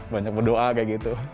banyak berdoa kayak gitu